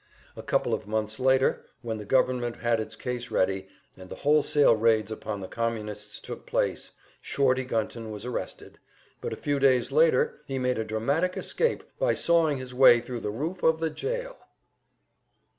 A couple of months later, when the government had its case ready, and the wholesale raids upon the Communists took place, "Shorty" Gunton was arrested, but a few days later he made a dramatic escape by sawing his way thru the roof of the jail!